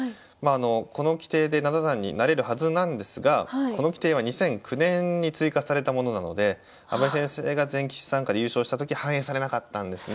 この規定で七段になれるはずなんですがこの規定は２００９年に追加されたものなので阿部先生が全棋士参加で優勝した時反映されなかったんですね。